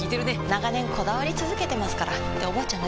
長年こだわり続けてますからっておばあちゃん